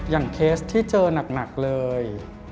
อย่างเคสที่เจอนักเลย